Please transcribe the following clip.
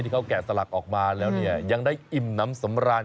เขาแกะสลักออกมาแล้วเนี่ยยังได้อิ่มน้ำสำราญ